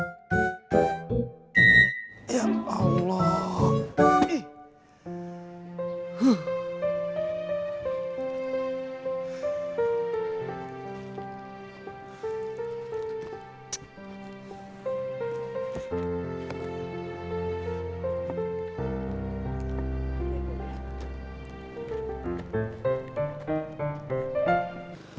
nggak pak belakang deh